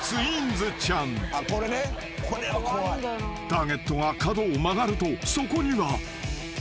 ［ターゲットが角を曲がるとそこには］